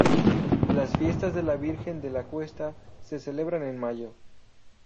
Las fiestas de la Virgen de la Cuesta se celebran en mayo.